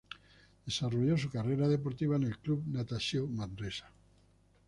Desarrolló su carrera deportiva en el Club Natació Manresa.